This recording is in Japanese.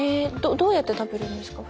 どうやって食べるんですか？